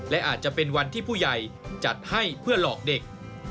และอาจจะเป็นวันที่ผู้ใหญ่จัดให้เพื่อหลอกเด็ก